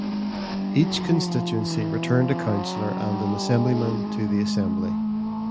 Each constituency returned a Councillor and an Assemblyman to the Assembly.